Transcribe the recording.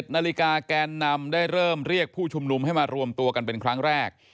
๑นาฬิกาแกนนำได้เริ่มเรียกผู้ชุมนุมให้มารวมตัวกันเป็นครั้งแรก